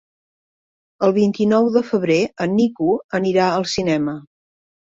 El vint-i-nou de febrer en Nico anirà al cinema.